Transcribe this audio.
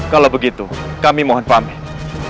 kalau begitu kami mohon pamit